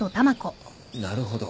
なるほど。